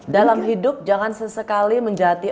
dalam hidup jangan sesekali menjati